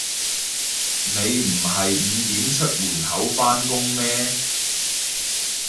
你唔係五點出門口返工咩